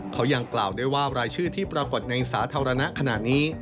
เขายังกล่าวด้วยว่ารายชื่อที่ปรากฏในสาธารณะขณะนี้